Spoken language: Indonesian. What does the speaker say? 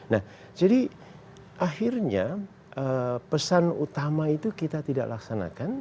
nah jadi akhirnya pesan utama itu kita tidak laksanakan